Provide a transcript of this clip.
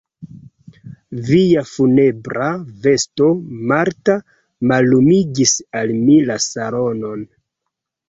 Via funebra vesto, Marta, mallumigis al mi la salonon.